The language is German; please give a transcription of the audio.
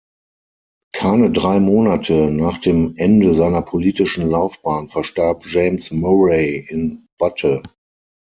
Keine drei Monate nach dem Ende seiner politischen Laufbahn verstarb James Murray in Butte.